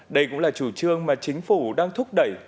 đây cũng là chủ trương mà chính phủ đang thúc đẩy